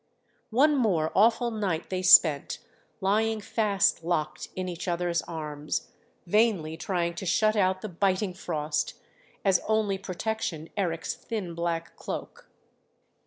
One more awful night they spent lying fast locked in each other's arms, vainly trying to shut out the biting frost, as only protection Eric's thin black cloak.